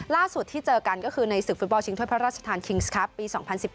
ล่าสุดที่เจอกันก็คือในศึกฟุตบอลชิงถ้วยพระราชทานคิงส์ครับปี๒๐๑๘